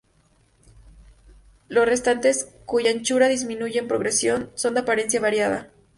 Los restantes, cuya anchura disminuye en progresión, son de apariencia variada.